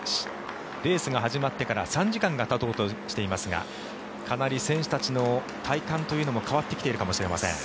レースが始まってから３時間がたとうとしていますがかなり選手たちの体感というのも変わってきているかもしれません。